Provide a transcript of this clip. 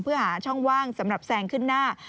เพื่อหาช่องว่างสำหรับแซงขึ้นหน้า